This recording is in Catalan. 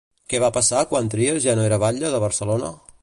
Què va passar quan Trias ja no era batlle de Barcelona?